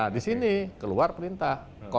di sini keluar perintah